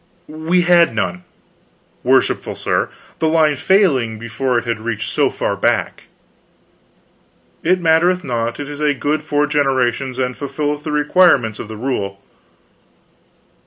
"We had none, worshipful sir, the line failing before it had reached so far back." "It mattereth not. It is a good four generations, and fulfilleth the requirements of the rule."